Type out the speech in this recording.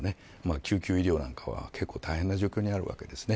救急医療なんかは結構大変な状況にあるわけです。